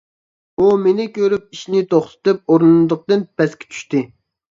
ئۇ مېنى كۆرۈپ ئىشىنى توختىتىپ، ئورۇندۇقتىن پەسكە چۈشتى.